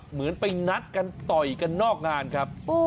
เหมือนไปนัดกันต่อยกันนอกงานครับ